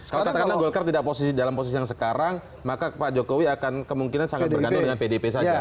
kalau katakanlah golkar tidak dalam posisi yang sekarang maka pak jokowi akan kemungkinan sangat bergantung dengan pdip saja